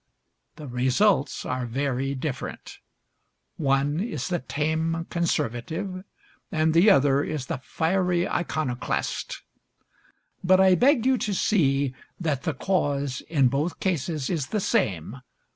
The results are very different: one is the tame conservative and the other is the fiery iconoclast; but I beg you to see that the cause in both cases is the same.